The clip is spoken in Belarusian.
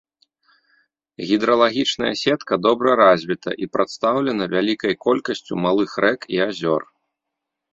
Гідралагічная сетка добра развіта і прадстаўлена вялікай колькасцю малых рэк і азёр.